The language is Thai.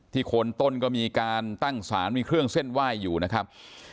โคนต้นก็มีการตั้งสารมีเครื่องเส้นไหว้อยู่นะครับ